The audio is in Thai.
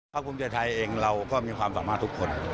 ภูมิใจไทยเองเราก็มีความสามารถทุกคน